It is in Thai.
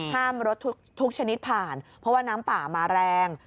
ห้ามรถทุกชนิดผ่านเพราะว่าน้ำป่ามาแรง